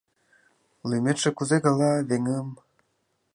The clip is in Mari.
Лӱметше кузе гала, веҥым?